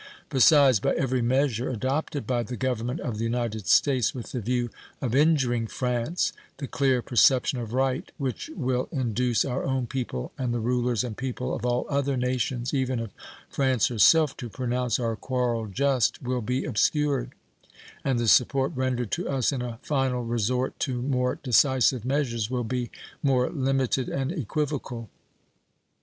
Besides, by every measure adopted by the Government of the United States with the view of injuring France the clear perception of right which will induce our own people and the rulers and people of all other nations, even of France herself, to pronounce our quarrel just will be obscured and the support rendered to us in a final resort to more decisive measures will be more limited and equivocal.